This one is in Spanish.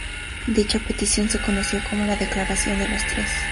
Dicha petición se conoció como "La Declaración de los Tres".